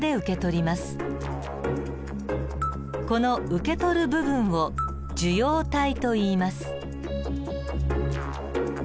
この受け取る部分を受容体といいます。